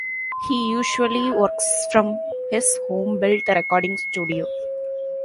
He usually works from his home-built recording studio.